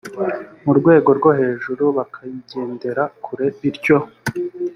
mu rwego rwo hejuru bakayigendera kure bityo